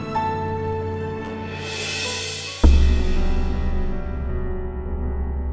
aku mau bantuin